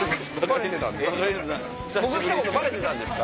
僕バレてたんですか？